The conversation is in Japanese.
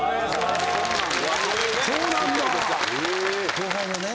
後輩のね